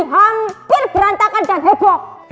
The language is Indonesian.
hampir berantakan dan heboh